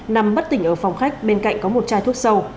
nằm bất tỉnh ở phòng khách bên cạnh có một chai thuốc sâu